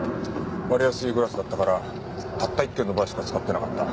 割れやすいグラスだったからたった一軒のバーしか使っていなかった。